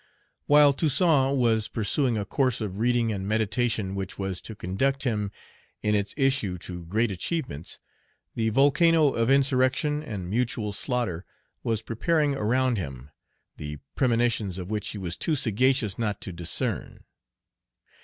WHILE Toussaint was pursuing a course of reading and meditation which was to conduct him in its issue to great achievements, the volcano of insurrection and mutual slaughter was preparing around him, the premonitions of which he was too sagacious not to discern.